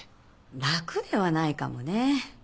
楽ではないかもね。